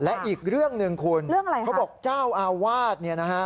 และอีกเรื่องหนึ่งคุณเขาบอกเจ้าอาวาส